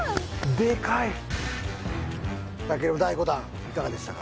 デカい健第５弾いかがでしたか？